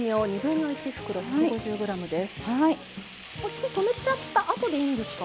火止めちゃったあとでいいんですか？